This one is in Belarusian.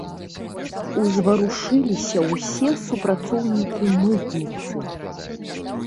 Узварушыліся ўсе супрацоўнікі мытніцы.